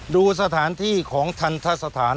ดูสถานที่ของทันทะสถาน